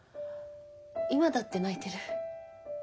今だって泣いてる。